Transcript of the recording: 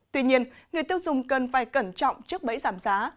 tuy nhiên người tiêu dùng cần phải cẩn trọng trước bẫy giảm giá